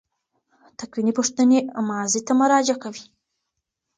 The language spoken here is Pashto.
تکویني پوښتنې ماضي ته مراجعه کوي.